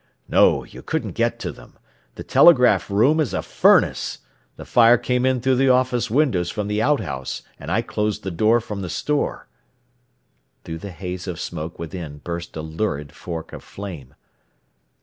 "No; you couldn't get to them. The telegraph room is a furnace. The fire came in through the office windows from the outhouse, and I closed the door from the store." Through the haze of smoke within burst a lurid fork of flame.